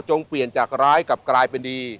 เปลี่ยนจากร้ายกลับกลายเป็นดี